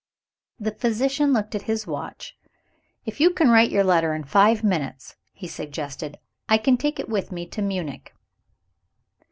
The physician looked at his watch. "If you can write your letter in five minutes," he suggested, "I can take it with me to Munich."